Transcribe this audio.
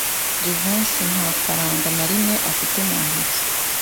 Jivency nta faranga na rimwe afite mu ntoki.